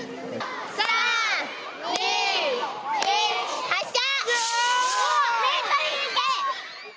３、２、１、発射。